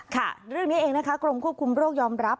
ค่ะเรื่องนี้เองนะคะกรมควบคุมโรคยอมรับ